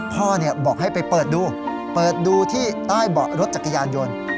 พ่อบอกให้ไปเปิดดูเปิดดูที่ใต้เบาะรถจักรยานยนต์